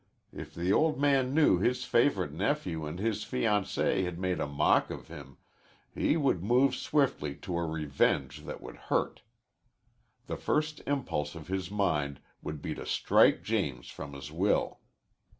If the old man knew his favorite nephew and his fiancée had made a mock of him, he would move swiftly to a revenge that would hurt. The first impulse of his mind would be to strike James from his will.